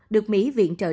được mỹ viện trợ cho